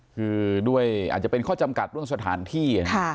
คือด้วยอาจจะเป็นข้อจำกัดเรื่องสถานที่